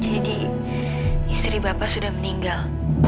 jadi istri bapak sudah meninggal